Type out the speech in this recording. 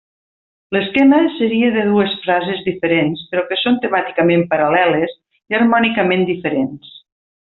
L'esquema seria de dues frases diferents però que són temàticament paral·leles i harmònicament diferents.